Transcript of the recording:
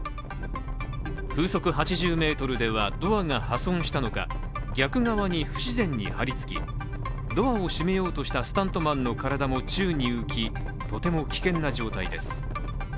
風速８０メートルではドアが破損したのか逆側に不自然に張り付き、ドアを閉めようとしたスタントマンの体も宙に浮き、とても危険な状態です。